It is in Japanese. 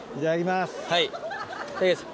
いただきます。